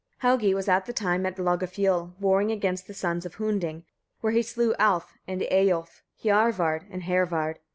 Helgi was at that time at Logafioll, warring against the sons of Hunding, where he slew Alf and Eyiolf, Hiorvard and Hervard.